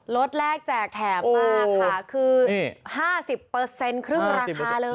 รถแรกแจกแถมมากค่ะคือ๕๐เปอร์เซ็นต์ครึ่งราคาเลย